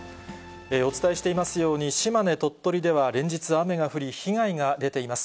お伝えしていますように、島根、鳥取では連日雨が降り、被害が出ています。